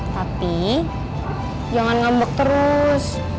tapi jangan ngambek terus